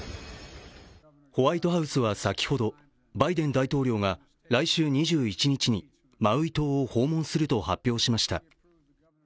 ホワイトハウスは先ほど、バイデン大統領が来週２１日にマウイ島を訪問すると発表しました。